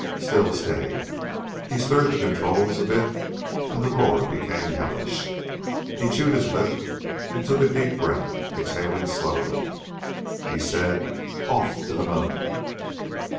Still steady. He stirred the controls a bit and the roar became hellish. He chewed his lip and took a deep breath, exhaling slowly. He said, "Off to the moon."